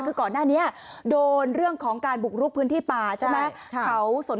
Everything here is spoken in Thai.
คือก่อนหน้านี้โดนเรื่องของการบุกลุกพื้นที่ป่าใช่ไหม